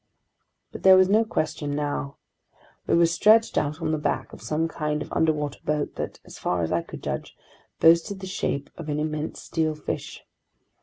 But there was no question now. We were stretched out on the back of some kind of underwater boat that, as far as I could judge, boasted the shape of an immense steel fish.